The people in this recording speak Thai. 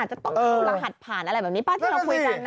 จะต้องเอารหัสผ่านอะไรแบบนี้ป่ะที่เราคุยกัน